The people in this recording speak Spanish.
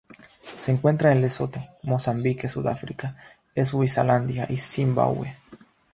Se encuentra en Lesotho, Mozambique, Sudáfrica, Swazilandia, y Zimbabue.